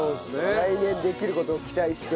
来年できる事を期待して。